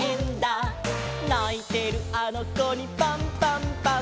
「ないてるあのこにパンパンパン！！」